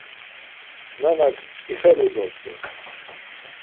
Nanak ixelu dort̆un.